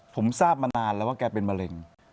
ผมทราบมานานแล้วว่าแกเป็นมะเร็ง